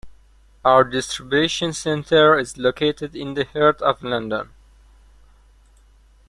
Our distribution centre is located in the heart of London.